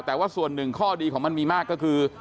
แต่ว่าส่วนหนึ่งข้อดีของมันมีมากก็คือ